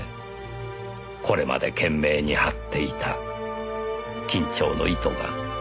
これまで懸命に張っていた緊張の糸が。